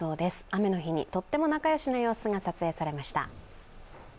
雨の日にとっても仲よしな様子が撮影されました。